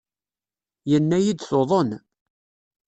Yenna-iyi-d tuḍen.